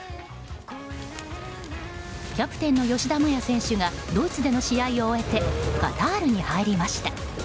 キャプテンの吉田麻也選手がドイツでの試合を終えてカタールに入りました。